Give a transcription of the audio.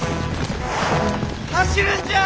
走るんじゃあ！